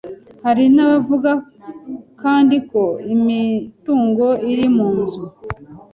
Hari n’abavuga kandi ko imitungo irimo inzu,